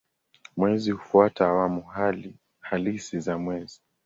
Mwezi hufuata awamu halisi za mwezi.